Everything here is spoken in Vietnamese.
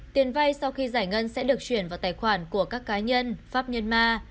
tiền vay sau khi giải ngân sẽ được chuyển vào tài khoản của các cá nhân pháp nhân ma